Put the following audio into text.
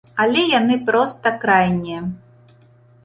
Але яны проста крайнія.